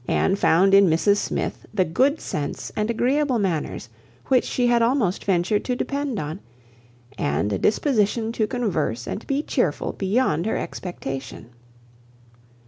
Anne found in Mrs Smith the good sense and agreeable manners which she had almost ventured to depend on, and a disposition to converse and be cheerful beyond her expectation.